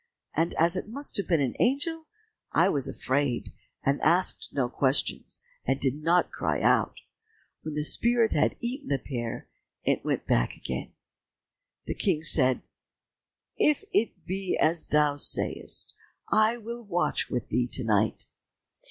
And as it must have been an angel, I was afraid, and asked no questions, and did not cry out. When the spirit had eaten the pear, it went back again." The King said, "If it be as thou sayest, I will watch with thee to night."